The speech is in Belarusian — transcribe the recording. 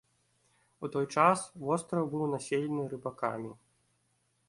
У той час востраў быў населены рыбакамі.